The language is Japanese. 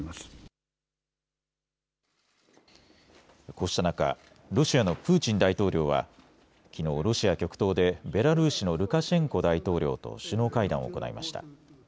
こうした中、ロシアのプーチン大統領はきのうロシア極東でベラルーシのルカシェンコ大統領と首脳会談を行いました。